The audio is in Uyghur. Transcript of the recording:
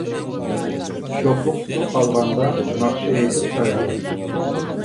شوخلۇق تۇتۇپ قالغاندا، ناخشا ئېيتىپ سايرىغاچ.